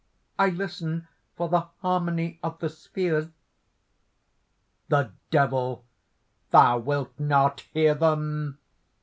I listen for the harmony of the spheres." THE DEVIL. "Thou wilt not hear them!